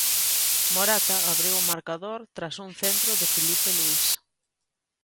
Morata abriu o marcador tras un centro de Filipe Luís.